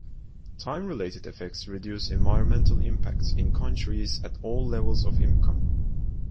Time related effects reduce environmental impacts in countries at all levels of income.